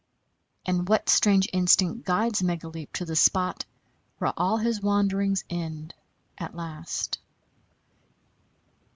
And what strange instinct guides Megaleep to the spot where all his wanderings end at last?